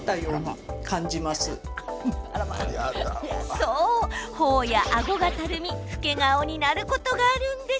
そう、ほおやあごがたるみ老け顔になることがあるんです。